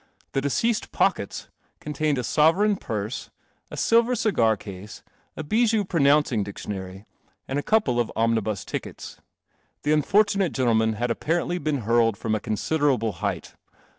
The deceased's pocket i ntained a sovereign purse, ilver cigar <. i bijou pronouncing diction ary, and a couple of omnibus ticket . I he un fortunate gentleman had apparently been hurled no a considerable height.